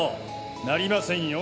なりませんよ。